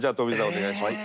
お願いします。